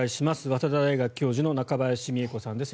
早稲田大学教授の中林美恵子さんです。